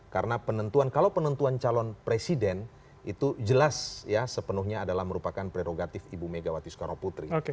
karena penentuan kalau penentuan calon presiden itu jelas ya sepenuhnya adalah merupakan prerogatif ibu megawati soekarnoputri